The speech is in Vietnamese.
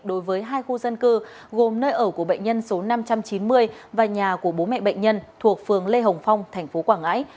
đối với hai khu dân cư gồm nơi ở của bệnh nhân số năm trăm chín mươi và nhà của bố mẹ bệnh nhân thuộc phường lê hồng phong tp quảng ngãi